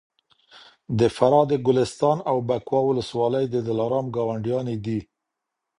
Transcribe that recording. د فراه د ګلستان او بکواه ولسوالۍ د دلارام ګاونډیانې دي